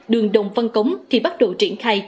đường đồng văn cống thì bắt đầu triển khai